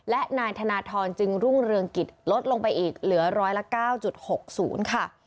และนายธนทรจึงรุ่งเรืองกิจลดลงไปอีกเหลือร้อยละ๙๖๐ค่ะ